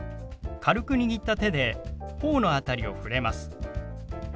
軽く握った手で頬の辺りを触れます。